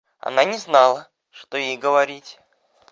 Она не знала, что ей говорить.